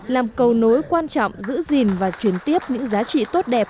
làm cầu nối quan trọng giữ gìn và chuyển tiếp những giá trị tốt đẹp